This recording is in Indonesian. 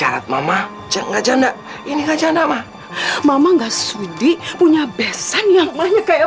lagu ini untuk allesanno